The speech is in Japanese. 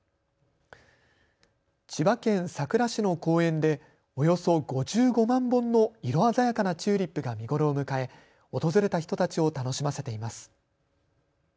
千葉県佐倉市の公園でおよそ５５万本の色鮮やかなチューリップが見頃を迎え訪れた人たちを楽しませています。